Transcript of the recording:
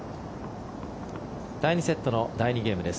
第２セットの第２ゲームです。